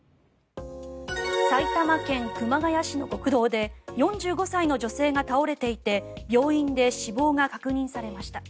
埼玉県熊谷市の国道で４５歳の女性が倒れていて病院で死亡が確認されました。